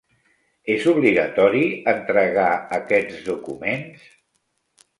És obligatori entregar aquests documents?